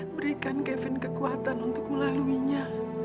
berikan kevin kekuatan untuk melaluinya